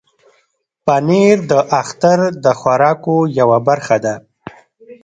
پنېر د اختر د خوراکو یوه برخه ده.